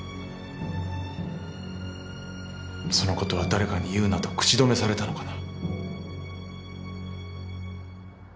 そのことは誰かに言うなと口止めされたのかな？